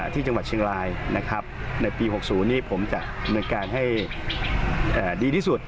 ที่จังหวัดเชียงรายนะครับในปี๖๐นี้ผมจะดำเนินการให้ดีที่สุด